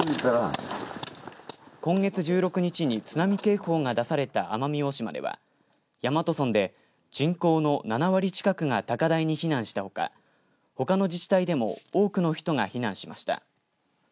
今月１６日に津波警報が出された奄美大島では大和村で人口の７割近くが高台に避難したほかほかの自治体でも多くの人が避難しました。